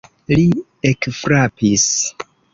Li ekfrapis.